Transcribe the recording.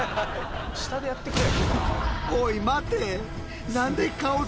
下でやってくれ。